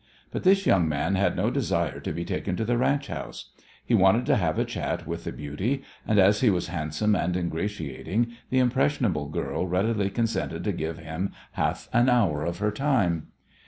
But this young man had no desire to be taken to the ranch house. He wanted to have a chat with the beauty, and as he was handsome and ingratiating the impressionable girl readily consented to give him half an hour of her time.